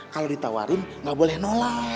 kalau ditawarin nggak boleh nolak